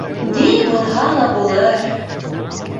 — Ни булһа ла булыр!